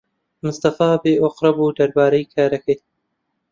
مستەفا بێئۆقرە بوو دەربارەی کارەکەی.